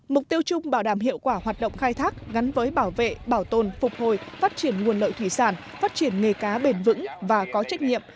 mục tiêu chung bảo đảm hiệu quả hoạt động khai thác gắn với bảo vệ bảo tồn phục hồi phát triển nguồn lợi thủy sản phát triển nghề cá bền vững và có trách nhiệm